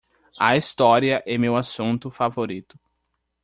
A história é meu assunto favorito.